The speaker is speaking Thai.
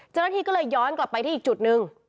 เจ้าหน้าที่ก็เลยย้อนกลับไปที่อีกจุดหนึ่ง